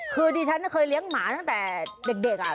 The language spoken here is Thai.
คือดิฉันเคยเลี้ยงหมาตั้งแต่เด็ก